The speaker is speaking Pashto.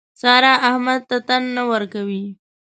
سارا احمد ته تن نه ورکوي.